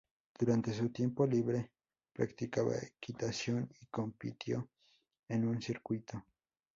Durante su tiempo libre practicaba equitación y compitió en un circuito.